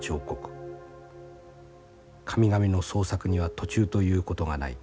神々の創作には途中ということがない。